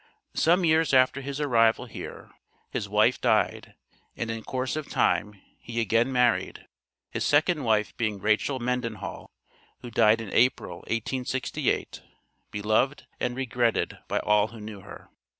Some years after his arrival here, his wife died, and in course of time, he again married, his second wife being Rachel Mendenhall, who died in April, 1868, beloved and regretted by all who knew her.